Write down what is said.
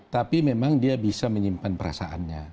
tapi memang dia bisa menyimpan perasaannya